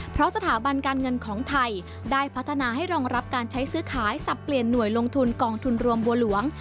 เพราะสถาบันการเงินของไทยได้พัฒนาให้รองรับการใช้ซื้อขายสับเปลี่ยนหน่วยลงทุนกองทุนรวมบัวหลวง